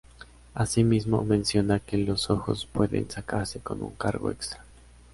Asimismo, mencionan que los ojos pueden sacarse con un cargo extra.